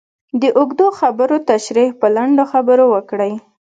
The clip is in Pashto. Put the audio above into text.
د اوږدو خبرو تشرېح په لنډو خبرو وکړئ.